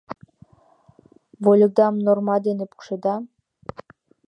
— Вольыкдам норма дене пукшеда?